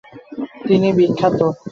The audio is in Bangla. তিনি বিখ্যাত।